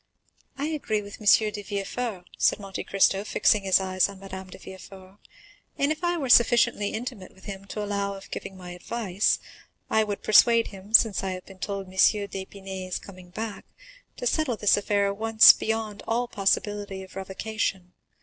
"I agree with M. de Villefort," said Monte Cristo, fixing his eyes on Madame de Villefort; "and if I were sufficiently intimate with him to allow of giving my advice, I would persuade him, since I have been told M. d'Épinay is coming back, to settle this affair at once beyond all possibility of revocation.